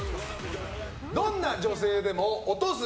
どんな女性でもオトす